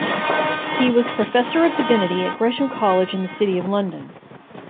He was Professor of Divinity at Gresham College in the City of London.